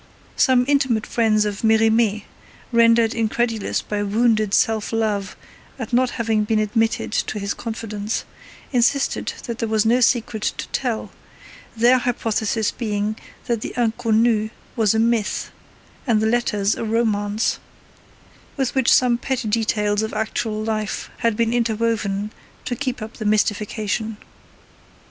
Some intimate friends of Merimee, rendered incredulous by wounded self love at not having been admitted to his confidence, insisted that there was no secret to tell; their hypothesis being that the Inconnue was a myth, and the letters a romance, with which some petty details of actual life had been interwoven to keep up the mystification.